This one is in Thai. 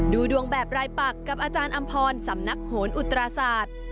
ดูดวงแบบรายปักกับอาจารย์อำพรสำนักโหนอุตราศาสตร์